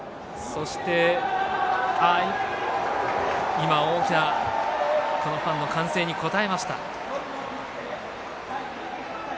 今、大きなファンの歓声に応えました。